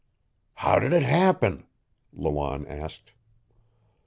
"How did it happen?" Lawanne asked.